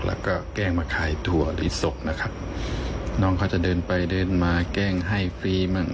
แล้วก็แกล้งมาขายถั่วหรือส่งนะครับน้องเขาจะเดินไปเดินมาแกล้งให้ฟรีมั่ง